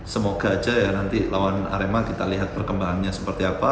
semoga aja ya nanti lawan arema kita lihat perkembangannya seperti apa